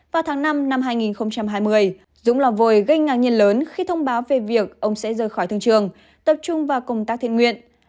vào tháng năm năm hai nghìn hai mươi dũng lò vồi gây ngạc nhiên lớn khi thông báo về việc ông sẽ rời khỏi thương trường tập trung vào công tác thiện nguyện